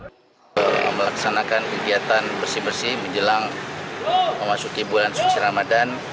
kita melaksanakan kegiatan bersih bersih menjelang memasuki bulan suci ramadan